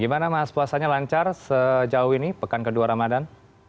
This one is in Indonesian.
gimana mas puasanya lancar sejauh ini pekan kedua ramadan